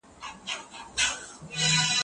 دا کوټه د هنر او پوهې یوه ګالري وه.